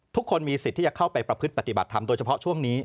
ทุกคนมีสิทธิ์ที่จะเข้าไปประพฤติปฏิบัติธรรมโดยเฉพาะช่วงนี้